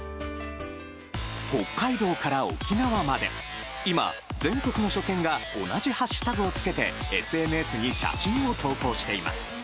北海道から沖縄まで今、全国の書店が同じハッシュタグをつけてＳＮＳに写真を投稿しています。